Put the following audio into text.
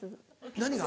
何が？